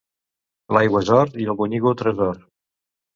L'aigua és or i el bonyigo tresor.